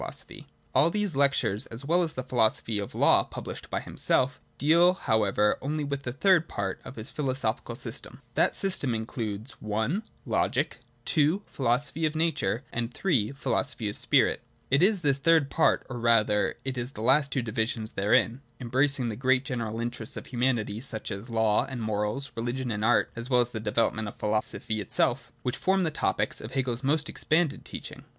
OF THE ENCYCLOPAEDIA. xi sophy. All of these lectures, as well as the Philosophy of Law, published by himself, deal however only with the third part of the philosophic system. That system (p. 28) includes (i) Logic, (ii) Philosophy of Nature, and (iii) Philosophy of Spirit. It is this third part — or rather it is the last two divisions therein (embracing the great general interests of humanity, such as law and morals, religion and art, as well as the development of philosophy itself) which form the topics of Hegel's most expanded teaching.